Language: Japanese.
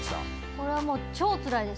これは超つらいです。